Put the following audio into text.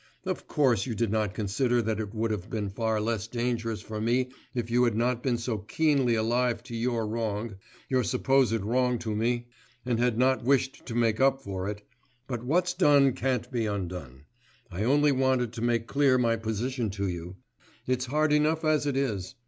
Of course you did not consider that it would have been far less dangerous for me if you had not been so keenly alive to your wrong ... your supposed wrong to me; and had not wished to make up for it ... but what's done can't be undone. I only wanted to make clear my position to you; it's hard enough as it is....